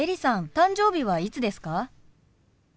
誕生日はいつですか？